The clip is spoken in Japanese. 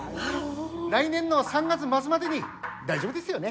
来年の３月末までに大丈夫ですよね？